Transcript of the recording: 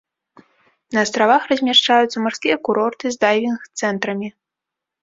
На астравах размяшчаюцца марскія курорты з дайвінг-цэнтрамі.